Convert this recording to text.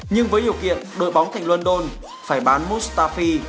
nhưng với điều kiện đội bóng thành london phải bán mustafi